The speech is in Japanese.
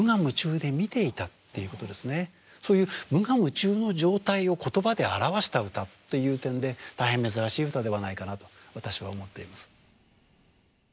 そういう無我夢中の状態を言葉で表した歌という点で大変珍しい歌ではないかなと私は思っています。